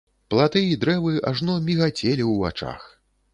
Платы і дрэвы ажно мігацелі ў вачах.